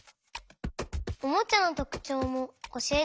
おもちゃのとくちょうもおしえて！